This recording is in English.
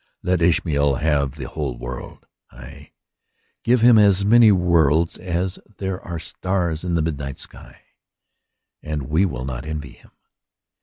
Let Ishmael have the whole world ; ay, give him as many worlds as there are stars in the midnight sky, and we will not envy him.